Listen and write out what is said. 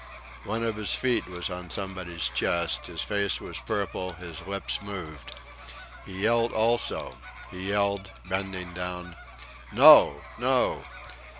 One of his feet was on somebody's chest; his face was purple; his lips moved. He yelled also; he yelled, bending down: "No! No!"